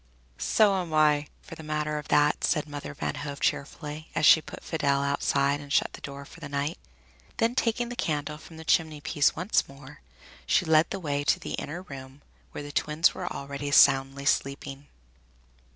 "So am I, for the matter of that," said Mother Van Hove cheerfully, as she put Fidel outside and shut the door for the night. Then, taking the candle from the chimney piece once more, she led the way to the inner room, where the twins were already soundly sleeping.